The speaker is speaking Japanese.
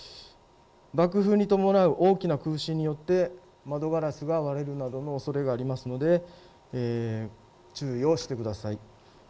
爆風に伴う大きな空振によって窓ガラスが割れるなどのおそれがありますので注意をしてください。